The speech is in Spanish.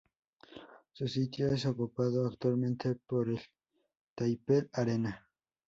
Su sitio es ocupado actualmente por el Taipei Arena.